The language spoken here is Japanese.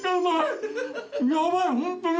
ヤバいホントに。